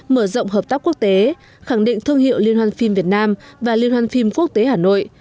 mở rộng hợp tác quốc tế khẳng định thương hiệu liên hoan phim việt nam và liên hoan phim quốc tế hà nội